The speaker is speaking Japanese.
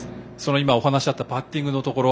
今、お話にあったパッティングのところ。